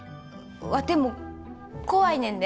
ワテも怖いねんで。